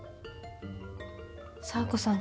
佐和子さん